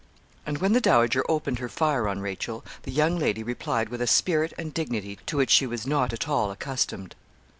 And when the dowager opened her fire on Rachel, the young lady replied with a spirit and dignity to which she was not at all accustomed.